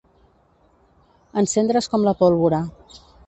Encendre's com la pólvora.